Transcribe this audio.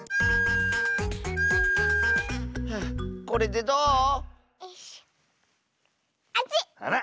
これでどう？